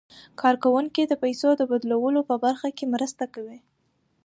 کارکوونکي د پيسو د بدلولو په برخه کې مرسته کوي.